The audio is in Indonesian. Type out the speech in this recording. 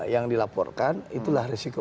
yang dilaporkan itulah risiko